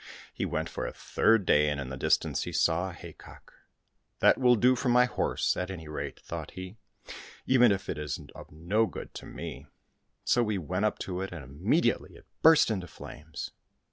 He went for a third day, and in the distance he saw a hay cock. " That will do for my horse, at any rate," thought he, " even if it is of no good to me." So he went up to it, and immediately it burst into flames.